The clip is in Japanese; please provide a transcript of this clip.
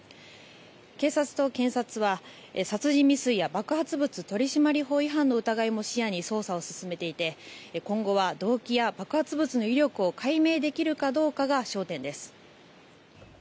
警察と検察は殺人未遂や爆発物取締法違反の疑いも視野に捜査を進めていて今後は動機や爆発物の威力を解明できるかどうかが焦点です。